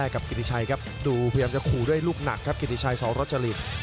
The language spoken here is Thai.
กับกิติชัยครับดูพยายามจะขู่ด้วยลูกหนักครับกิติชัยสรจริต